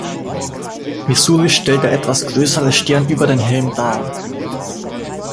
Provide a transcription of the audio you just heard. Missouri stellt der etwas größere Stern über den Helm dar.